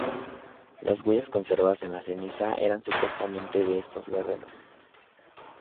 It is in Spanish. Las huellas conservadas en la ceniza eran supuestamente de estos guerreros.